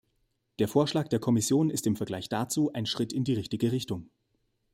Der Vorschlag der Kommission ist im Vergleich dazu ein Schritt in die richtige Richtung.